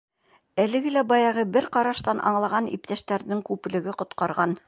Әлеге лә баяғы бер ҡараштан аңлаған иптәштәренең күплеге ҡотҡарған.